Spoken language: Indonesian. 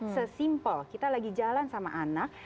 sesimpel kita lagi jalan sama anak